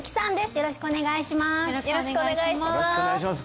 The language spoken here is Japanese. よろしくお願いします